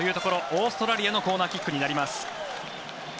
オーストラリアのコーナーキックになります。